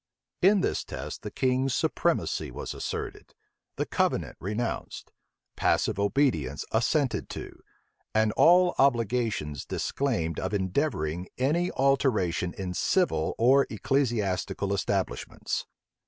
In this test the king's supremacy was asserted, the covenant renounced, passive obedience assented to, and all obligations disclaimed of endeavoring any alteration in civil or ecclesiastical establishments.